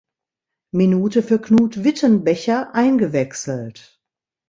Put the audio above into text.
Minute für Knut Wittenbecher eingewechselt.